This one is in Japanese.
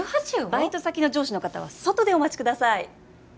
バイト先の上司の方は外でお待ちください